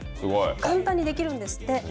簡単にできるんですって。